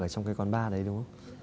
ở trong cái con bar đấy đúng không